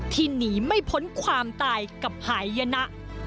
หนีไม่พ้นความตายกับหายยนะ